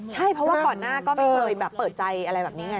ใช่เพราะว่าก่อนหน้าก็ไม่เคยแบบเปิดใจอะไรแบบนี้ไง